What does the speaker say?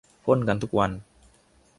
พ่นกันทุกวัน